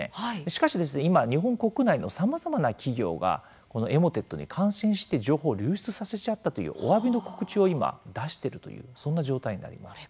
しかし今日本国内のさまざまな企業がエモテットに感染して情報を流出させちゃったというおわびの告知を今出してるというそんな状態になります。